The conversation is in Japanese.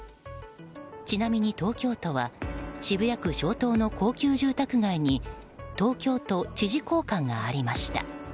ちなみに東京都は渋谷区松濤の高級住宅街に東京都知事公館がありました。